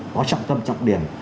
có trọng tâm trọng điểm